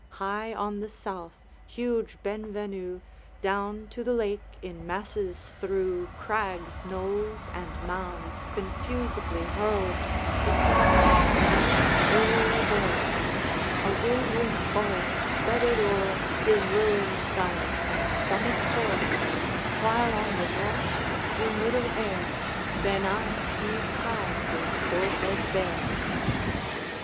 High on the south, huge Benvenue Down to the lake in masses threw Crags, knolls, and mounds, confusedly hurled, The fragments of an earlier world; A wildering forest feathered o'er His ruined sides and summit hoar, While on the north, through middle air, Ben an heaved high his forehead bare.